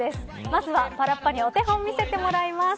まずは、パラッパにお手本を見せてもらいます。